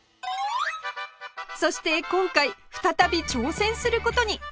そして今回再び挑戦する事に